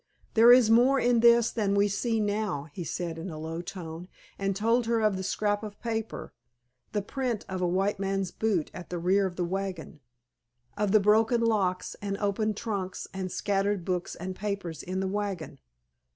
"There is more in this than we see now," he said in a low tone, and told her of the scrap of paper, the print of a white man's boot at the rear of the wagon, of the broken locks and opened trunks and scattered books and papers in the wagon.